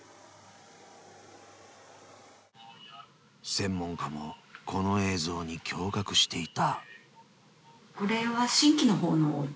［専門家もこの映像に驚愕していた］